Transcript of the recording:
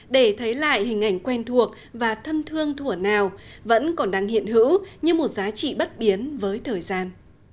để thấy lại hình ảnh quen thuộc và thân thương thủa nào vẫn còn đang hiện hữu như một giá trị bất biến với thời gian